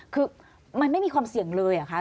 คือมันไม่มีความเสี่ยงเลยเหรอคะ